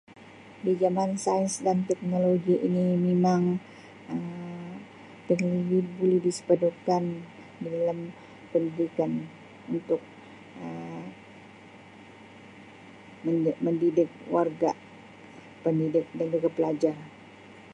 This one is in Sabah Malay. Di jaman sains dan teknologi ini memang Um [unintelligible] boleh [unintelligible] kan dalam pendidikan untuk Um [unintelligible] mendidik warga pendidik dan juga pelajar.